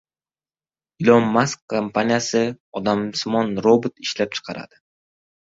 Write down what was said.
Ilon Mask kompaniyasi odamsimon-robot ishlab chiqaradi